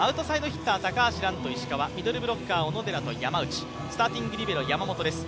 ヒッター高橋藍と石川、ミドルブロッカー、小野寺と山内スターティングリベロは山本です。